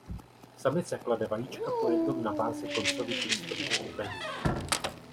Samice klade vajíčka po jednom na bázi koncových listových pupenů.